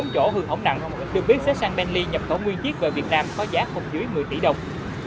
bốn chỗ hư hỏng nặng được biết sẽ sang bentley nhập khẩu nguyên chiếc về việt nam có giá không dưới một mươi tỷ đồng